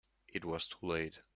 It was too late.